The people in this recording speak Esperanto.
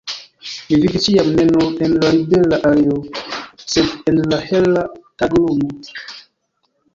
Mi vivis ĉiam ne nur en la libera aero, sed en la hela taglumo.